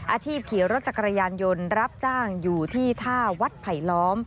ขี่รถจักรยานยนต์รับจ้างอยู่ที่ท่าวัดไผลล้อม